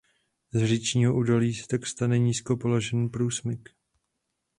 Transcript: Z říčního údolí se tak stane nízko položený průsmyk.